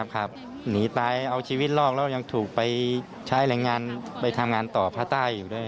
หนีตายเอาชีวิตรอดแล้วยังถูกไปใช้แรงงานไปทำงานต่อภาคใต้อยู่ด้วย